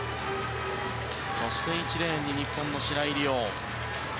そして１レーンに日本の白井璃緒。